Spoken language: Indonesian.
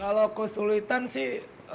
kalau kesulitan sih